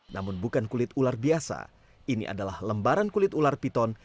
namun bukan kulit ular biasa ini adalah lembaran kulit ular piton